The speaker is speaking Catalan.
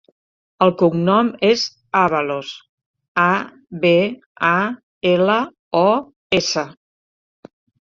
El cognom és Abalos: a, be, a, ela, o, essa.